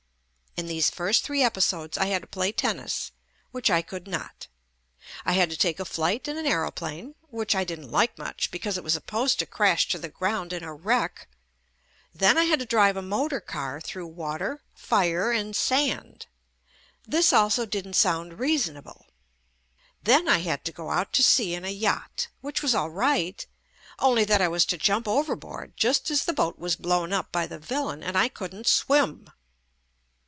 In these first three episodes I had to play tennis, which I could not. I had to take a flight in an aeroplane, which I didn't like much, because it was supposed to crash to the ground in a wreck ; then I had to drive a motor car through water, fire and sand. This also didn't sound reasonable. Then I had to go out to sea in a yacht, which was all right, only that I was to jump overboard just as the boat was blown up by the villain, and I couldn't swim.